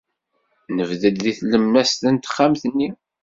Nebded deg tlemmast n texxamt-nni.